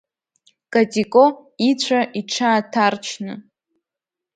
Катико ицәа иҽааҭарчны.